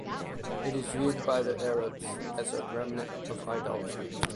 It is viewed by the Arabs as a remnant of idolatry.